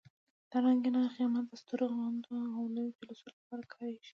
دا رنګینه خیمه د سترو غونډو او لویو جلسو لپاره کارېږي.